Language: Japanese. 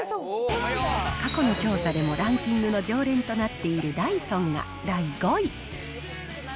過去の調査でもランキングの常連となっているダイソンが第５位。